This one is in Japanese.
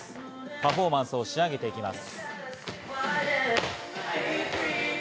パフォーマンスを仕上げていきます。